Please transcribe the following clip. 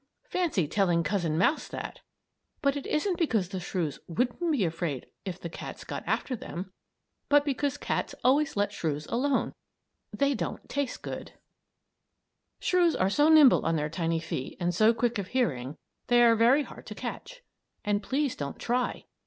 Fancy telling Cousin Mouse that! But it isn't because the shrews wouldn't be afraid if the cats got after them, but because cats always let shrews alone. They don't taste good! [Illustration: THE CILIATED SHREW] Shrews are so nimble on their tiny feet and so quick of hearing, they are very hard to catch. And please don't try!